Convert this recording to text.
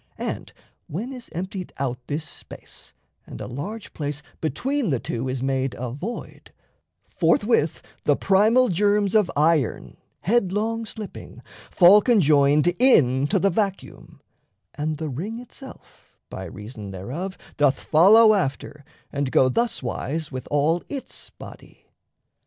And when is emptied out This space, and a large place between the two Is made a void, forthwith the primal germs Of iron, headlong slipping, fall conjoined Into the vacuum, and the ring itself By reason thereof doth follow after and go Thuswise with all its body.